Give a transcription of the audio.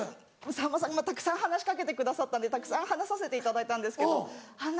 さんまさんたくさん話しかけてくださったんでたくさん話させていただいたんですけどあんな